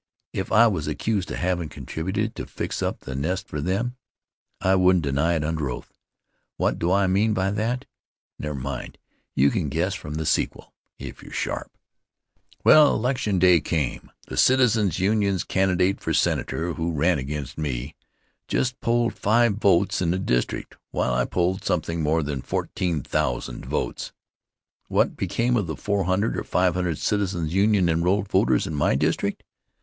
If I was accused of havin' contributed to fix up the nest for them, I wouldn't deny it under oath. What do I mean by that? Never mind. You can guess from the sequel, if you're sharp. Well, election day came. The Citizens' Union's candidate for Senator, who ran against me, just polled five votes in the district, while I polled something more than 14,000 votes. What became of the 400 or 500 Citizens' Union enrolled voters in my district?